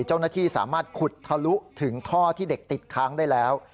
เจ้าหน้าที่สามารถขุดทะลุถึงท่อที่เด็กติดค้างได้แล้ว